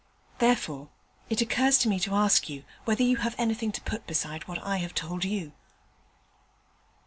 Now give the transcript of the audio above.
Therefore, it occurs to me to ask you whether you have anything to put beside what I have told you.'